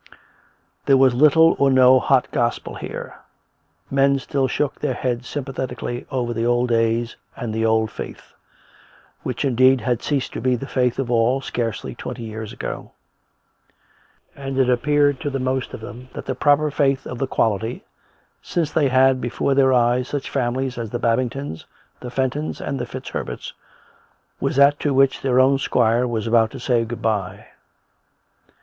There was little or no hot gospel here; men still shook their heads sympathetically over the old days and the old faith, which indeed had ceased to be the faith of all scarcely twenty years ago; and it appeared to the most of them that the proper faith of the Quality, since they had before their eyes such families as the Babingtons, the Fentons, and the FitzHerberts, was that to which their own squire was about to say good bye.